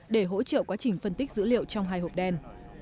để hỗ trợ quá trình phân tích dữ liệu trong hai hộp đen